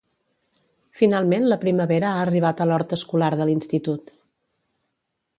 Finalment la primavera ha arribat a l'hort escolar de l'Institut.